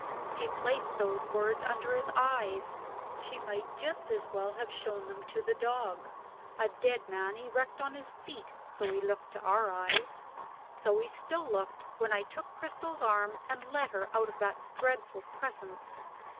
She placed those words under his eyes she might just as well have shown them to the dog. A dead man, erect on his feet so he looked to our eyes. So he still looked, when I took Cristel's arm, and led her out of that dreadful presence.